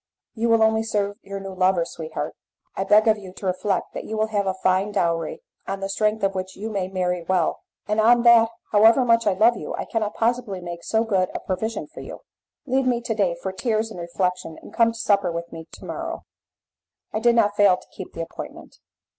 "You will only serve your new lover, sweetheart. I beg of you to reflect that you will have a fine dowry, on the strength of which you may marry well; and that however much I love you I cannot possibly make so good a provision for you." "Leave me to day for tears and reflection, and come to supper with me to morrow." I did not fail to keep the appointment.